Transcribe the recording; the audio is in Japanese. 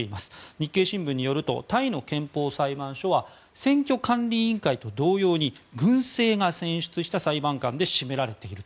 日経新聞によるとタイの憲法裁判所は選挙管理委員会と同様に軍政が選出した裁判官で占められている。